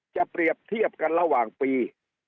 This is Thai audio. จะเปรียบเทียบกันระหว่างปี